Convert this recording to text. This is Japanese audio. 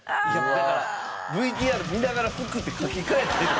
ＶＴＲ見ながら服って書き換えてるわ。